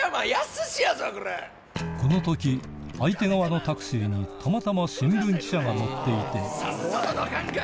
このとき、相手側のタクシーにたまたま新聞記者が乗っていて。